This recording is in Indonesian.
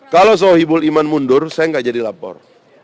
kalau sohibul iman mundur saya nggak jadi lapor